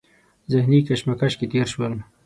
ذهني کشمکش کې تېر شول.